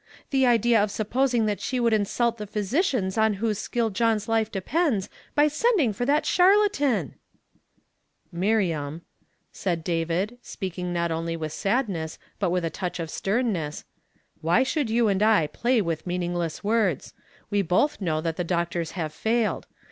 The idea of suppos ing that she would insult the physicians on whose skill John's life depends by sending for that char latan !" "Miriam," said David, speaking not only with sadness, but with a toi h of sternness, "why should you and I play with meaningless words? We both know that the doctors have failed.